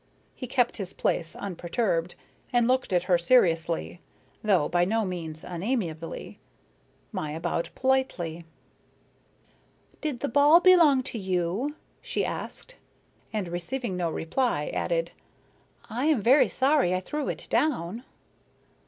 He kept his place unperturbed, and looked at her seriously, though by no means unamiably. Maya bowed politely. "Did the ball belong to you?" she asked, and receiving no reply added: "I am very sorry I threw it down."